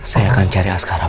saya akan cari askara